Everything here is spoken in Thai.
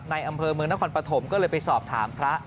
อำเภอเมืองนครปฐมก็เลยไปสอบถามพระ